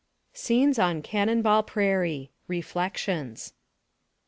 SCENES ON CANNON BALL PRAIRIE REFLECTIONS.